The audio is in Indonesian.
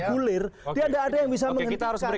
dia tidak ada yang bisa menghentikan